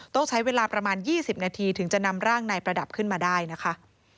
ต้องใช้เวลาประมาณ๒๐นาทีถึงจะนำร่างนายประดับขึ้นมาได้นะคะ